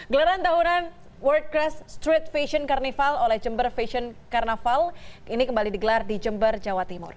gelaran tahunan world crass street fashion carnival oleh jember fashion carnaval ini kembali digelar di jember jawa timur